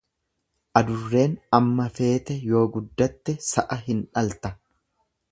Adurreen amma feete yoo guddatte sa'a hin dhalta.